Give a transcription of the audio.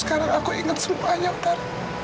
sekarang aku ingat semuanya otar